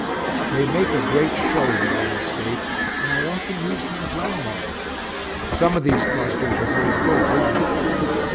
They make a great show in the landscape, and I often use them as landmarks. Some of these clusters are very full of inmates.